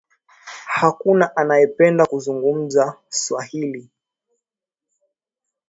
Hakuna anaye penda kuzungumza swahili